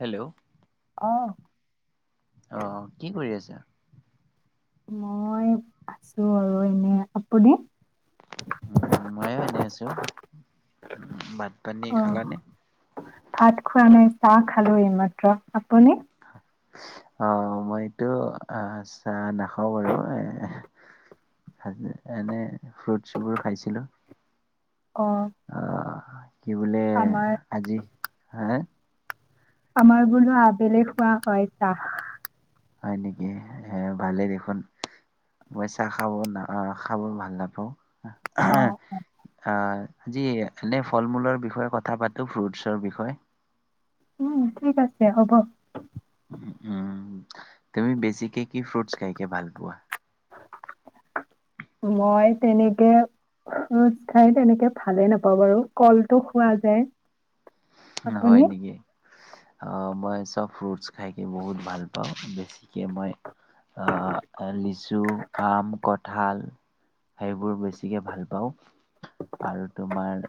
Hello অ অ', কি কৰি আছা মই আছো আৰু এনে আপুনি উ ময়ো এনে আছো উ ভাত পানী অ', খালানে ভাত খোৱা নাই চাহ খালো এইমাত্ৰ আপুনি অ মইটো আহ চাহ না নাখও বাৰু এ এনে ফ্ৰুটছবোৰ খাইছিলো আহ আহ কি বোলে আজি হা আমাৰ বোলো আবেলি খোৱা হয় চাহ হয় নেকি এ ভালেই দেখোন মই চাহ খাব ন খাব ভাল নাপাওঁ অ আজি এনে ফল মূলৰ বিষয়ে কথা পাতো ফ্ৰুটছৰ বিষয়ে উম ঠিক আছে হ'ব উম তুমি বেছিকে কি ফ্ৰুটছ খাইকে ভাল পোৱা মই তেনেকে ফ্ৰোট খাই তেনেকে ভালে নাপাওঁ বাৰু কলটো খোৱা যায় হয় আপুনি? নেকি অ মই চব ফ্ৰুটছ খাই বহুত ভাল পাওঁ বেছিকৈ মই লিচু আম ক ঠাল সেইবোৰ বেছিকৈ ভাল পাওঁ আৰু তোমাৰ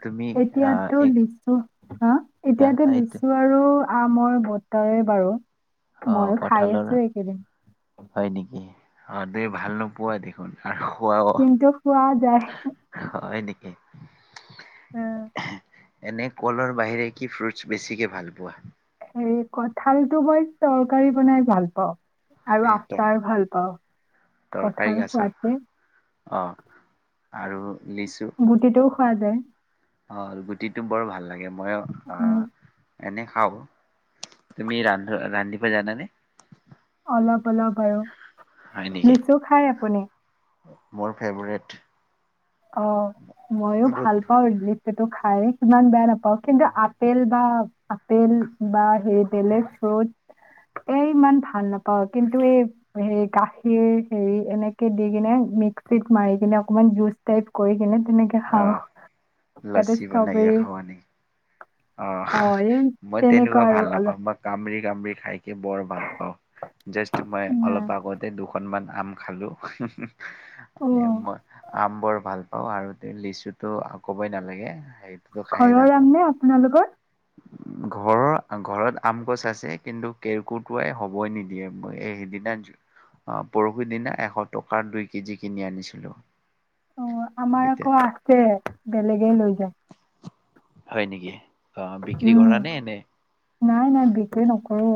তুমি আহ এতিয়াতো এক লিচু হাঁ আহ এতিয়াতো এইটো লিছো আৰু আহ মই বৰ্তাৰে বাৰু অঁ ময়ো খাই কঠালৰ আছো এইকেইদিন। হয় নেকি অঁ তুমি ভাল নোপোৱাই নেকি হয় আৰু খুৱাও কিন্তু খোৱা যায়। হয় নেকি উম। এনে কলৰ বাহিৰে কি ফ্ৰুটছ বেছিকে ভাল পোৱা এই কঁঠালতটো মই তৰকাৰী বনাই ভাল পাওঁ আৰু এ ত আচাৰ ভাল পাওঁ কথা কঠাল সোৱাদ যে অঁ আৰু গুটিটো খোৱা যায় হয় গুটিটো বৰ ভাল লাগে এ ময়ও উম, অঁ এনে খাও তুমি ৰা ৰান্ধিব জান নে অলপ অলপ আৰু হয় নেকি? লিচু খাই আপুনি মোৰ ফেভৰেট অঁ মইও বহুত ভাল পাওঁ টো খাই সিমান বেয়া নাপাওঁ কিন্তু আপেল বা আপেল বা হে বেলেগ ফ্ৰুট এ ইমান ভাল নাপাওঁ কিন্তু এই হে গাখীৰ হেৰি এনেকে দি কিনে মিক্সিত মাৰি কিনে অকমান জুচ টাইপ কৰি কিনে তেনেকে খাওঁ আহ তাতে ষ্ট্ৰবেৰী অঁ অ এই মই তেনেকুৱা আৰু ভাল অলপ নাপাওঁ মই কামৰি কামৰি খাইকে বৰ ভাল পাওঁ জাষ্ট মই নাই অলপ আগতে দুখন মান আম খালোঁ অ আম বৰ ভাল পাঁও অঁ আৰু লিচুতটো ক'বই নালাগে হে ঘৰৰ আম নে আপোনালোকৰ ঘৰৰ ঘৰত আম গছ আছে কিন্তু কেৰ্ৰকেৰ্ৰটোৱা হবই নিদিয়েই সেইদিনা পৰহি দিনা এশ টকাৰ দুই কেজি কিনি আনিছিলো আমাৰ আকৌ আছে বেলেগে লৈ যায় হয় নেকি অঁ বিক্ৰী উম কৰা নে এনেই নাই নাই বিকি নকৰো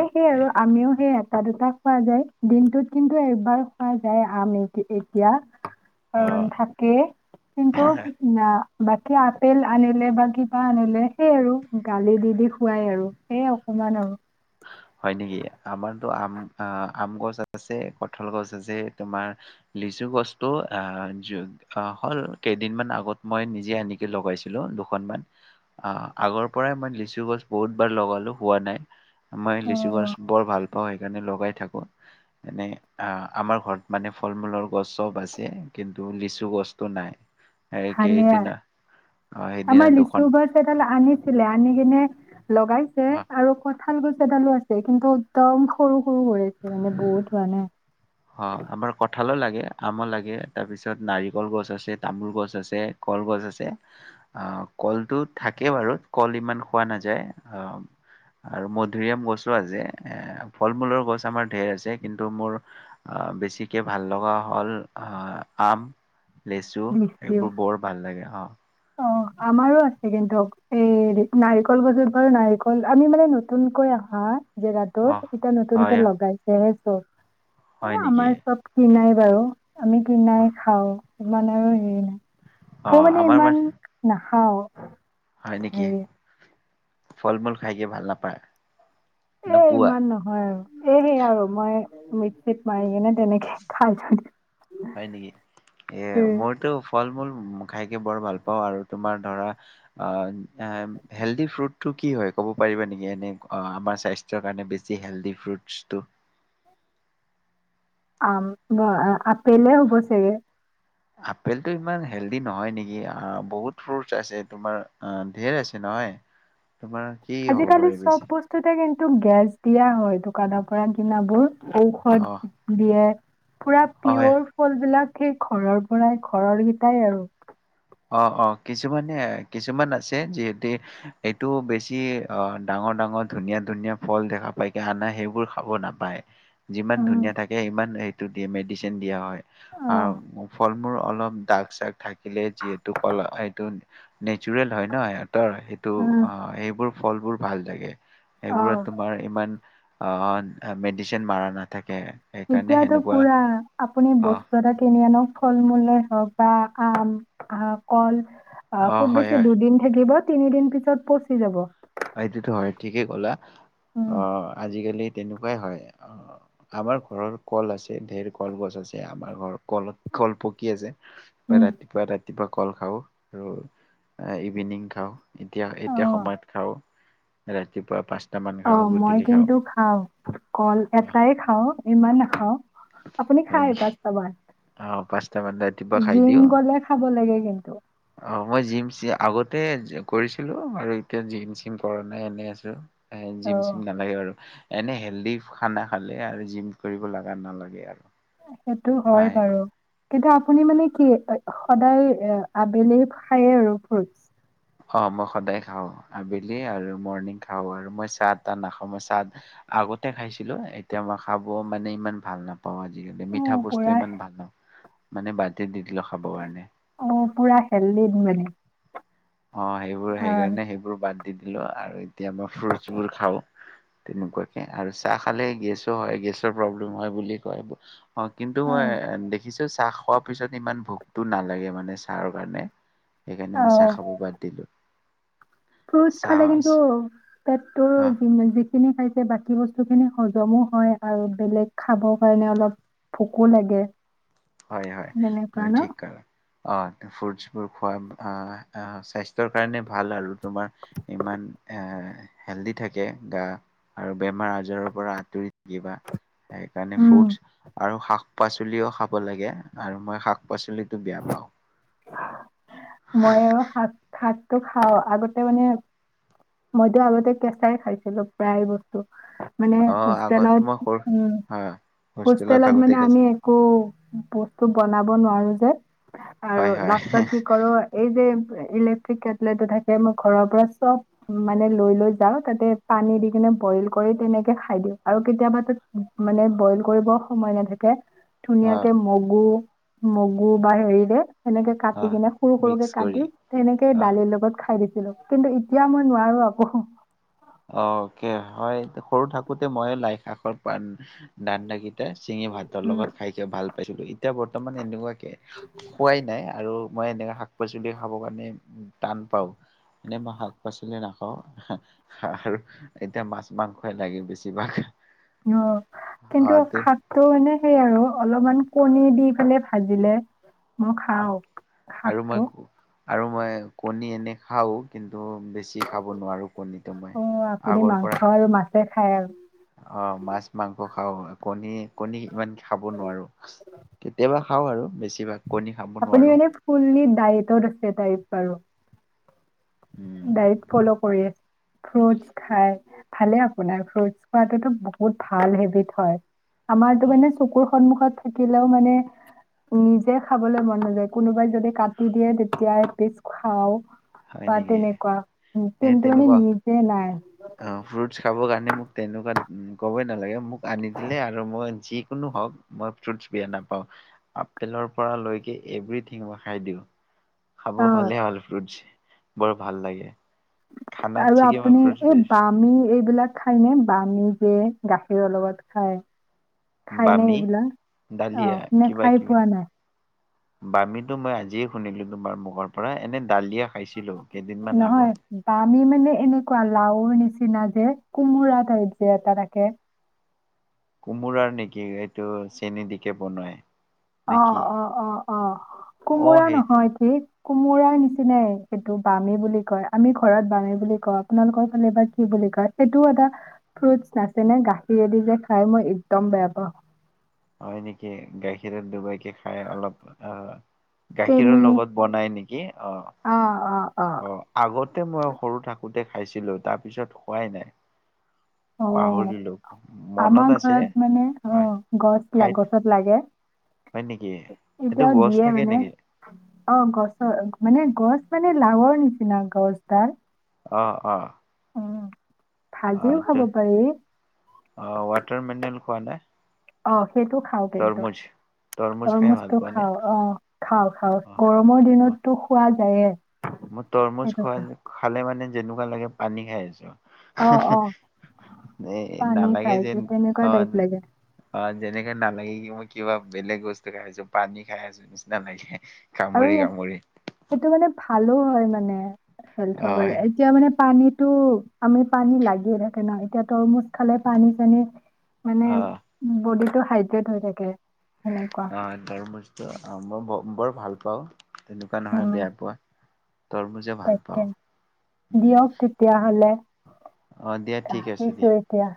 এ সেই আৰু আমিও সেইয়া দুটা দুটা খোৱা যায় দিনটোত কিন্তু এবাৰ খোৱা যায় আম এ এতিয়া অ থাকে কিন্তু না বাকী আপেল আনিলে বা কিবা আনিলে সেই আৰু গালি দি দি খোৱাই আৰু সেইয়ে অকমান আৰু। হয় নেকি আমাৰতো আম আম গছ আছে কঠাল গছ আছে তোমাৰ লিচু গছটো হল কেইদিনমানা আগত মই নিজে আনে লগাইছিলো দুখনমান আহ আগৰ পৰাই মই লিচু গছ বহুত বাৰ লগালো হোৱা নাই। মই লিচু গছ অ বৰ ভাল। সেইকাৰণে লগাই থাকো এনে আহ আমাৰ ঘৰত মানে ফল মূলৰ গছ চব আছে কিন্তু লিচু গছতটো নাই। এই ভালে কেইদিনা অ' আৰু সেইদিনা আমাৰ দুখন লিচু এডাল আনি। আনিচিলে আনিকিনে। লগাইছে অ' আৰু ক'ত। ভাল গছ এডালো আছে কিন্তু একদম সৰু সৰু হৈ আছে মানে বহুত মানে। অ আমাৰ কঠালো লাগে। আমো লাগে তাৰপিছত নাৰিকল গছ আছে তামোল গছ আছে কলগছ আছে আহ কলটো থাকে বাৰু কল ইমান খোৱা নাযায় আহ আৰু মধুৰিআম গছো আছে এ ফল মূলৰ গছ আমাৰ ঢেৰ আছে কিন্তু মোৰ। আহ বেছিকে ভাল লগা হ'ল আহ আম। লেচু লিচিও এইবোৰ বৰ ভাল লাগে অ। অ আমাৰো আছে কিন্তু এই নাৰিকল গছত বাৰু নাৰিকল আমি মানে নতুনকৈ আহা। অ ছ নতুন কে হয় লগাইছেহে। অ। হয় এই নেকি আমাৰ চব কিনাই। জানো। আমি কিনি এই খাওঁ। মানে আৰু। মই মানে অ তামানে আমাৰ ইমান মান না। অহ হয় নেকি। ফল মূল খাই কিয় ভাল নাপায়। এ নোপোৱা ইমান নহয় আৰু এহে আৰু মই। মিকচিত মাৰিকিনে। হয় নেকি এ উম, মোৰতো ফল মূল খাইকে বৰ ভাল পাওঁ আৰু তুমাৰ ধৰা হেল্ডি ফ্ৰুটটো কি হয় ক'ব পাৰিবা নেকি এনে আমাৰ স্বাস্থ্যৰ কাৰণে বেছি হেলডি ফ্ৰুটছটো। আম আপেলয়ে হব চাগে। আপেলটো ইমান হেল্ডি নহয় নেকি বহুত ফ্ৰুৰ্ছ আছে তোমাৰ ধেৰ আছে নহয়। তোমাৰ কি হ'ব আজিকালি পাৰে চব বেছি বস্তুতে কিন্ত। টো গেছ দিয়া হয় দোকানৰ পৰা কিনা বোৰ। অ ঔষধ দিয়ে। পুৰা অ', হয় পিয়ৰ ফল বিলাক। সেই ঘৰৰ পৰাই ঘৰৰ কেইটাই আৰু। অ অ কিছুমানে কিছুমান আছে যিহেতু এইটো বেছি অ ডাঙৰ ডাঙৰ ধুনীয়া ধুনীয়া ফল দেখা পায় কি আনা সেইবোৰ খাব নাপায়। যিমান ধুনীয়া উম। থাকে ইমান এইটো দি মেডিচিন দিয়া হয় অ', আৰু ফল মূল অলপ তাৰ পাছত থাকিলে যিহেতু কলা সেইটো নেচাৰেল হয় ন সেইটো উম, অ এইবোৰ ফলবোৰ ভাল লাগে এইবোৰত অ'। তোমাৰ ইমান অ মেডিচিন মাৰা নাথাকে সেইকাৰণে এতিয়াতো সেনেকুৱা পুৰা আপুনি অ', বস্তু এটা কিনি আনক ফল মূল হওক বা আম কল অ খুব হয় বেছি হয় দুদিন থাকিব তিনিদিন পিছত পচি যাব হয়টোতো হয় ঠিকেই কলা অ উম, আজিকালি তেনেকুৱাই হয় আমাৰ ঘৰৰ কল আছে ধেৰ কলগছ আছে আমাৰ ঘৰত কলত কল পকি আছে ৰাতিপুৱা উম, ৰাতিপুৱা ৰাতিপুৱা কল খাওঁ আৰু ইভিনিং খাওঁ এতিয়া এতিয়া অ'। সময়ত খাওঁ ৰাতিপুৱা পাঁচ অ মই কিন্তু খাও কল এটাই খাও ইমান ন অ আপুনি হয় খায় নেকি পাঁচটা মান অ পাঁচটাামান ৰাতিপুৱা খাই দিওঁ গ'লে খাব লাগে কিন্তু। আহ মই যিম আগত ত কৰিছিলো আৰু এতিয়া জিম চিম কৰা নাই এনেই আছো এ জিম অ', চিম নালাগে আৰু এনে হেল্ডি খানা খালে আৰু জিম কৰিব লগা নালাগে আৰু সেইটো হয় বাৰু কিন্তু আপুনি মানে কি সদায় আবেলি খায় আৰু ফ্ৰুদ অ মই সদায় খাওঁ আবেলি আৰু মৰ্ণিং খাওঁ আৰু মই চাহ তাহ নাখাওঁ মই চাহ আগতে খাইছিলো এতিয়া মই খাব মানে ইমান ভাল নাপাওঁ পাওঁ আজিকালি মিঠা অ', বস্তু পুৰা ইমান ভাল নাপাওঁ মানে বাটতে দি কিবা খাব কাৰণে অ', পুৰা খেললি মানে অঁ সেইবোৰ ভাল। সেইকাৰণে সেইবোৰ বাদ দি দিলো আৰু কেতিয়া মই ফ্ৰুটছবোৰ খাওঁ তেনেকুৱাকে আৰু চাহ খালে গেছো হয় গেছৰ প্ৰব্লেম হয় বুলি কয় অঁ কিন্তু মই দেখিছো চাহ খোৱাৰ পিছত ইমান ভোকতো নালাগে মানে চাহৰ কাৰণে সেইকাৰণে মানে অ', চেনী বাদ দিলো ফ্ৰুটছ খালে কিন্তু পেটৰ অ', যিখিনি খাই বাকী বস্তু খিনি হজমো হয় আৰু বেলেগ খাবৰ কাৰণে অলপ ভোকো লাগে হয় হয় তেনেকুৱা তুমি ন'? ঠিক কলা অঁ ফ্ৰুটছবোৰ খোৱা আহ স্বাস্থ্যৰ কাৰণে ভাল আৰু তোমাৰ ইমান এ হেলডি থাকে গা আৰু বেমাৰ আজাৰৰ পৰা আঁতৰি থাকিবা সেইকাৰণে উম। ফ্ৰুট আৰু শাক পাচলিও খাব লাগে আৰু মই শাক পাচলিতটো বেয়া পাওঁ মই আৰু শাক খাক তো খাও আগতে মানে মইতো আগতে কেঁচাই খাইছিলো প্ৰায় বস্তু মানে অ আগত হোষ্টেলত মই সৰু উম হয় হোষ্টেলত থাকোতে মানে আমি একো বস্তু বনাব নোৱাৰো যে আৰু হয় হয় ৰাস্তা কি কৰ এই যে ইলেক্ট্ৰিক কেটলেটো থাকে মোৰ ঘৰৰ পৰা চব মানে লৈ লৈ যাও তাতে পানী দি কিনে বইল কৰি তেনেকে খাই দিওঁ আৰু কেতিয়াবা তাত মানে বইল কৰিব সময় নাথাকে অ ধুনীয়াকে মগু মগু বা হৰি যে সেনেকে কাটি অ কিনে সৰু সৰুকে মিক্স কাটি কৰি তেনেকে অ দালিৰ লগত খাই দিওঁ কছিলো কিন্তু এতিয়া মই নোৱাৰো আকৌ অকে হয় সৰু থাকোতে মই লাই শাকৰ পাণ দান দাকি চিঙি ভাতৰ উম, লগত খাইছে ভাল পাইছো এতিয়া বৰ্তমান এনেকুৱাকে খোৱাই নাই আৰু মই এনেকে শাক পাচলি খাবৰ কাৰণে টান পাও এনে মই শাক পাচলি নাখাওঁ হেহ আৰু এতিয়া মাছ মাংসই লাগে বেছিভাগ অ অ কিন্তু তে শাক টো মানে সেই আৰু অলপমান কণী দি পেলায় ভাজিলে মই খাওঁ আৰু মই শাকটো আৰু মই কণী এনে খাও কিন বেছি খাব নোৱাৰো কণীটো মই আগৰ পৰা। দে খায় আৰু অ মাছ মাংস খাও কণী কণী ইমান খাব নোৱাৰো কেতিয়াবা খাওঁ আৰু বেছিভাগ কণী খাব আপুনি নোৱাৰো। এনে ফুল ডায়েটত আছে তাই বাৰো ডাইট ফল' কৰি এ ফ্ৰুটচ খাই ভালে আপোনাৰ ফ্ৰুটচ খোৱাাততো বহুত ভাল হেবিট হয় আমাৰতো হয় মানে চকুৰ সন্মুখত থাকিলেও মানে নিজে খাবলৈ মন নাযায় কোনোবাই যদি কাটি দিয়ে তেতিয়া এপিছ খাও হয় বা নেকি? তেনেকুৱা সেই কিন্ত মানে তেনেকুৱা নিজে নাই মানে মোক তেনেকুৱা ক'বই নালাগে মোক আনি দিলে আৰু মই যি কোনো হওক মই ফ্ৰুটছ বিয়া নাপাওঁ আপেলৰ পৰা লৈকে এভৰিথিং মই খাই দিওঁ খাব অ', ভালে হল ফ্ৰুটছ বৰ ভাল লাগে খানাত আৰু চিকি মই আপুনি ফ্ৰুটছ এই বেছি বামি এইবিলাক খায়নে বামি জে গাখীৰৰ লগত খায় খাই নে বামি এইবিলাক ডালিয়া আহ নে খাই পোৱা নাই বামীটো মই আজিয়ে শুনিলো তোমাৰ মুখৰ পৰা এনে দালিয়া নহয় বা আমি মানে এনেকুৱা লাও নিচিনা যে কোমোৰা টাইপ যে এটা থাকে কোমোৰাৰ নেকি এইটো চেনী দিকে বনোৱাই অ অ অ অ অ কোমোৰা সেই নহয় ঠিক কোমোৰাাৰ নিচিনাই ইেইটো বামী বুলি কয় আমি ঘৰত বামী বুলি কওঁ আপোনালোকৰ ফালে বা কি বুলি কয় সেইটোও এটা ফ্ৰুটছ তাত মানে গাখীৰেদি যে খাই মই এক্দম বেয়া পাওঁ হয় নেকি গাখীৰত ডবাইকে খাই অলপ আহ চেনি গাখীৰৰ লগত বনাই নেকি অ অ আগতে মই সৰু থাকোতে খাইছিলো তাৰ পিছত খোৱাই নাই অ পাহৰিলো মনত আমাৰ আছে ঘৰত মানে অ হয় গছ খাই গছত লাগে হয় নেকি এইটো এতিয়াও গছ দিয়ে থাকে মানে নেকি অ গছৰ মানে গছ মানে লাৱৰ নিচিনা গছডাল অ অ উম। অ ভাজিও খাব ত পাৰি ৱাটাৰ মিনল খোৱা নাই অহ সেইটো খাওঁ কিন্তু তৰমুজ তৰমুজ খাই ভাল তৰমুজটো পোৱা নে খাওঁ অ খাওঁ খাওঁ অ গৰমৰ দিনততো হোৱাদ তে মই তৰমুজ খোৱা খালে মানে যেনেকুৱা লাগে পানী খাই আছো অ অ এই পানী নালাগে খাই যে যেন তেনেকুৱা অ টাইপ লাগে অ যেনেকে নালাগে কি মই কিবা বেলেগ বস্তু খাই আছো পানী খাই আছো নিচিনা লাগে আৰু কামুৰি ই কামুৰি সেইটো মানে ভালো হয় মানে হেলথ ৰ মানে হয় এতিয়া মানে পানীত টো আমি পানী লাগিয়ে থাকে ন এতিয়াতো অলপ খালে পানী চানী মানে অ বডিত টো সহায়ক হৈ থাকে সেনেকুৱা। অ তৰমুজ টো ভাল পাওঁ তেনেকুৱা নহয় উম বেয়া পোৱা তৰমুজে ভাল তাকে পাওঁ। উম দিয়ক তেতিয়াহ'লে অ দিয়া ঠিক আছে ৰাখিছোঁ দিয়া এতিয়া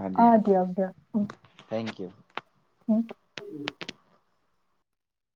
অ দিয়া অঁ দিয়ক দিয়ক থেংক ইউ [unintelligible]